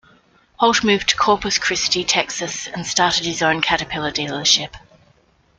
Holt moved to Corpus Christi, Texas and started his own Caterpillar dealership.